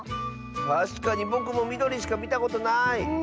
たしかにぼくもみどりしかみたことない。